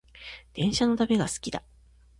電車の旅が好きだ